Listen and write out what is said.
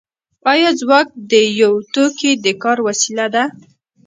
آیا ځواک د یو توکي د کار وسیله ده